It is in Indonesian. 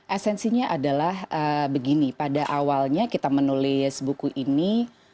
esensinya adalah begini pada awalnya kita menulis buku ini